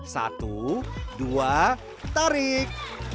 satu dua tarik